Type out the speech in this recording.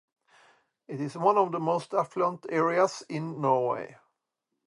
It is one of the most affluent areas in Norway.